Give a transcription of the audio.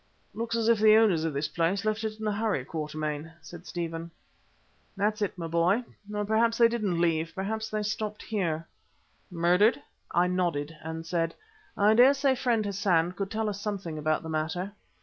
"Looks as if the owners of this place had left it in a hurry, Quatermain," said Stephen. "That's it, my boy. Or perhaps they didn't leave; perhaps they stopped here." "Murdered?" I nodded and said, "I dare say friend Hassan could tell us something about the matter.